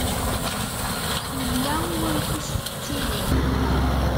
Yella wamek i s-tettili.